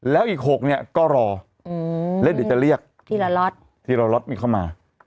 แล้วอีก๖เนี่ยก็รอแล้วเดี๋ยวจะเรียกทีละล็อตทีละล็อตมีเข้ามา